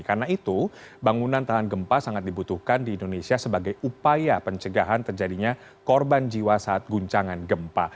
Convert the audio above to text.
karena itu bangunan tahan gempa sangat dibutuhkan di indonesia sebagai upaya pencegahan terjadinya korban jiwa saat guncangan gempa